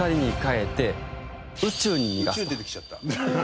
宇宙出てきちゃった。